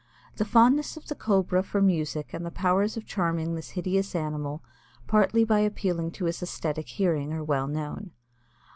The fondness of the Cobra for music and the powers of charming this hideous animal partly by appealing to his esthetic hearing are well known.